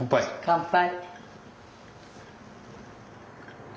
乾杯！